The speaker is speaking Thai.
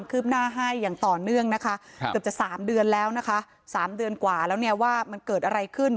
เกือบจะ๓เดือนแล้วนะคะ๓เดือนกว่าแล้วเนี่ยว่ามันเกิดอะไรขึ้น